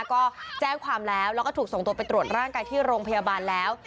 ก็แจ้งความแล้วแล้วก็ถูกส่งตัวไปตรวจร่างกายที่โรงพยาบาลแล้ว